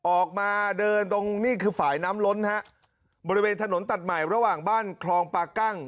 ออกมาเดินตรงนี่คือฝ่ายน้ำล้นฮะบริเวณถนนตัดใหม่ระหว่างบ้านคลองปากั้ง